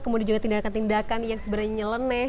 kemudian juga tindakan tindakan yang sebenarnya nyeleneh